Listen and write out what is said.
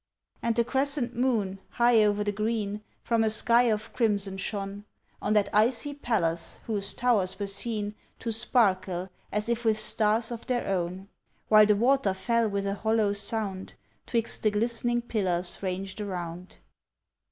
And the crescent moon, high over the green, From a sky of crimson shone, On that icy palace, whose towers were seen To sparkle as if with stars of their own; While the water fell with a hollow sound, 'Twixt the glistening pillars ranged around.